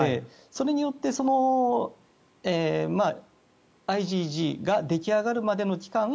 それによってＩｇＧが出来上がるまでの期間